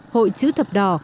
hội chữ thập đỏ